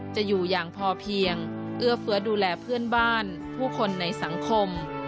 จะอยู่อย่างพอเพียงเอื้อเฟื้อดูแลเพื่อนบ้านผู้คนในสังคม